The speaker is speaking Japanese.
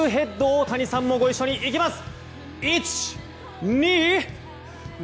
大谷さんもご一緒に行きます。